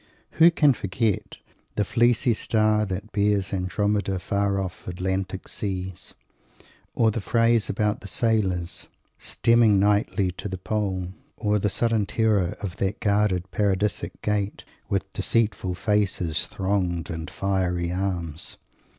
Who can forget "the fleecy star that bears Andromeda far off Atlantic seas"? Or that phrase about the sailors "stemming mightly to the pole"? Or the sudden terror of that guarded Paradisic Gate "with dreadful faces thronged and fiery arms"?